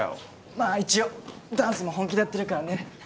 まあ一応ダンスも本気でやってるからね